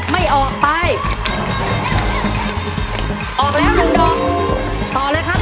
ไม่ออกไปออกแล้วหนึ่งดอกต่อเลยครับ